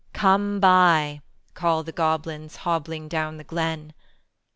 "Come buy," call the goblins Hobbling down the glen.